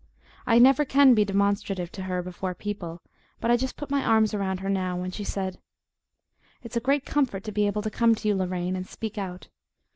I never can be demonstrative to her before people, but I just put my arms around her now when she said: "It's a great comfort to be able to come to you, Lorraine, and speak out.